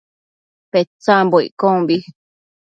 Petsambo iccombi